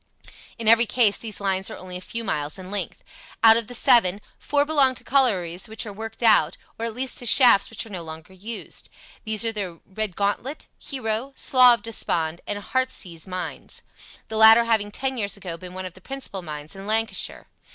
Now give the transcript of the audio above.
In every case these lines are only a few miles in length. Out of the seven, four belong to collieries which are worked out, or at least to shafts which are no longer used. These are the Redgauntlet, Hero, Slough of Despond, and Heartsease mines, the latter having ten years ago been one of the principal mines in Lancashire.